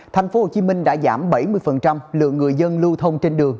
thành phố hồ chí minh đã giảm bảy mươi lượng người dân lưu thông trên đường